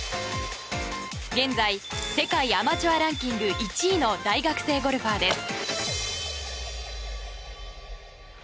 現在、世界アマチュアランキング１位の大学生ゴルファーです。